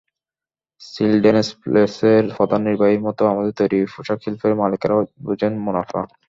Children's প্লেসের প্রধান নির্বাহীর মতো আমাদের তৈরি পোশাকশিল্পের মালিকেরাও বোঝেন মুনাফা।